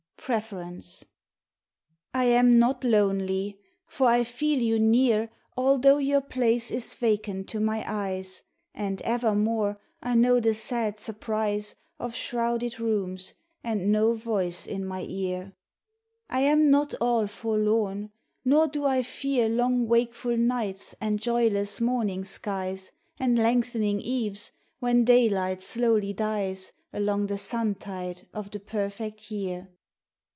preference I AM not lonely for I feel you near Although your place is vacant to my eyes And evermore I know the sad surprise Of shrouded rooms, and no voice in my ear. I am not all forlorn, nor do I fear Long wakeful nights and joyless morning skies And lengthening eves when daylight slowly dies Along the suntide of the perfect year.